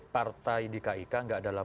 partai di kik nggak dalam